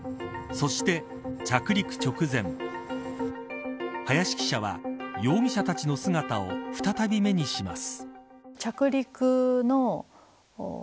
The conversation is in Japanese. そして、着陸直前林記者は容疑者たちの姿を再び目にします。